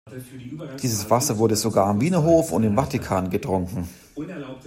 Dieses Wasser wurde sogar am Wiener Hof und im Vatikan getrunken.